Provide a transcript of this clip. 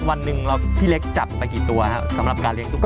วันหนึ่งพี่เล็กจับไปกี่ตัวครับสำหรับการเลี้ยตุ๊ก